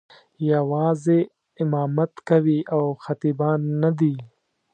یوازې امامت کوي او خطیبان نه دي.